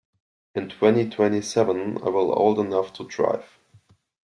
In twenty-twenty-seven I will old enough to drive.